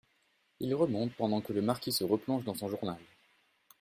Il remonte pendant que le marquis se replonge dans son journal.